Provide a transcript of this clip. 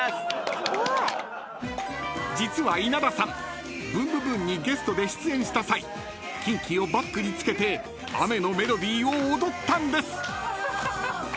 ［実は稲田さん『ブンブブーン！』にゲストで出演した際キンキをバックにつけて『雨のＭｅｌｏｄｙ』を踊ったんです］